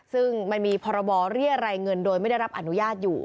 ซึ่งมันมีพรบเรียรายเงินโดยไม่ได้รับอนุญาตอยู่